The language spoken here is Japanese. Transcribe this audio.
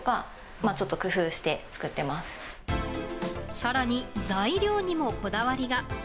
更に、材料にもこだわりが。